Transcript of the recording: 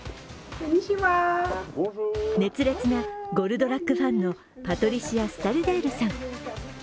熱烈な「ゴルドラック」ファンのパトリシア・スタルデールさん。